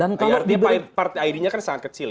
artinya partai id nya kan sangat kecil ya